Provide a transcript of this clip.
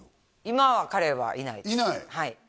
今は彼はいないですいない？